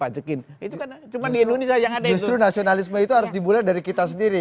justru nasionalisme itu harus dimulai dari kita sendiri